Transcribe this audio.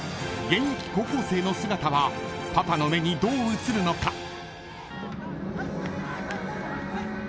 ［現役高校生の姿はパパの目にどう映るのか？］